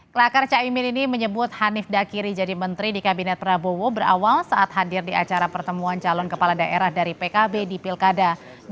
kelakar caimin ini menyebut hanif dakiri jadi menteri di kabinet prabowo berawal saat hadir di acara pertemuan calon kepala daerah dari pkb di pilkada dua ribu tujuh belas